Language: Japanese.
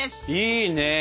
いいね。